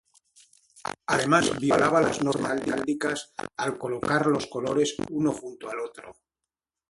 Además, violaba las normas heráldicas al colocar los colores uno junto al otro.